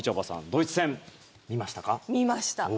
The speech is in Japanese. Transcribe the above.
ドイツ戦、見ましたか？